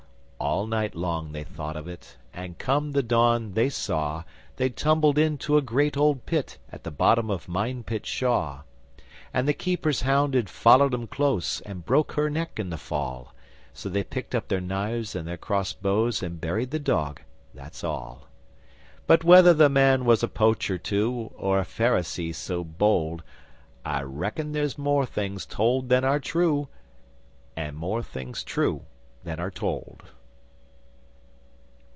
All night long they thought of it, And, come the dawn, they saw They'd tumbled into a great old pit, At the bottom of Minepit Shaw. And the keepers' hound had followed 'em close And broke her neck in the fall; So they picked up their knives and their cross bows And buried the dog. That's all. But whether the man was a poacher too Or a Pharisee so bold I reckon there's more things told than are true, And more things true than are told.